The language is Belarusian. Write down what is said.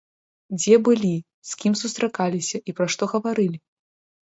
Дзе былі, з кім сустракаліся і пра што гаварылі?